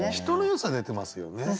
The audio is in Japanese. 人のよさ出てますよね。